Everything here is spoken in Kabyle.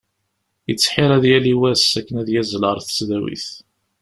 Yettḥir ad yali wass akken ad yazzel ɣer tesdawit.